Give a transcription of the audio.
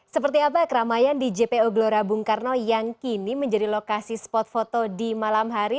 seperti apa keramaian di jpo gelora bung karno yang kini menjadi lokasi spot foto di malam hari